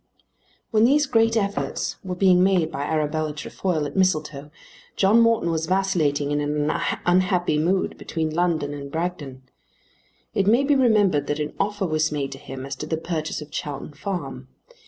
While these great efforts were being made by Arabella Trefoil at Mistletoe, John Morton was vacillating in an unhappy mood between London and Bragton. It may be remembered that an offer was made to him as to the purchase of Chowton Farm.